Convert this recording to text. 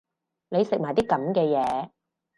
你食埋啲噉嘅嘢